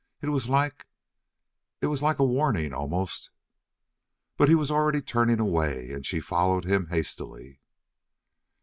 It was like it was like a warning, almost." But he was already turning away, and she followed him hastily.